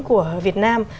của việt nam